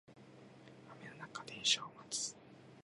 雨の中電車を待つ